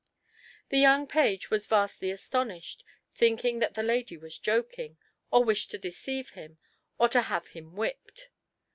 The young page was vastly astonished, thinking that the lady was joking, or wished to deceive him or to have him whipped.